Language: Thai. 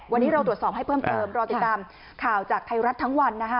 วันนี้เราตรวจสอบให้เพิ่มเติมรอติดตามข่าวจากไทยรัฐทั้งวันนะคะ